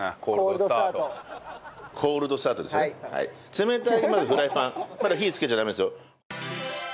冷たいまずフライパンまだ火つけちゃダメですよ。